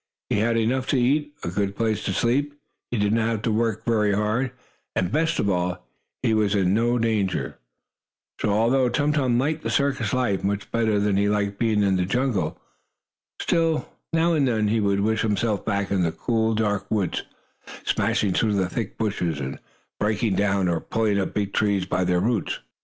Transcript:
He had enough to eat, a good place to sleep, he did not have to work very hard, and, best of all, he was in no danger. So, altogether, Tum Tum liked the circus life much better than he had liked being in the jungle. Still, now and again, he would wish himself back in the cool, dark woods, smashing through the thick bushes, and breaking down, or pulling up, big trees by their roots.